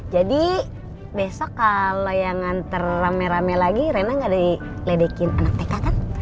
jadi besok kalau yang nganter rame rame lagi reina gak diledekin anak tk kan